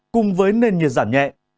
cùng với nền nhiệt giảm nhẹ